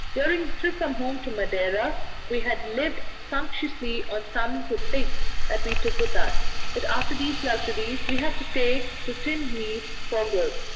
During the trip from home to Madeira we had lived sumptuously on some little pigs that we took with us, but after these luxuries we had to take to tinned meat for good.